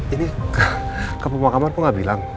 ini ke pemakaman aku gak bilang